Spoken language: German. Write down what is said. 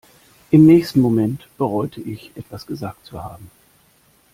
Im nächsten Moment bereute ich, etwas gesagt zu haben.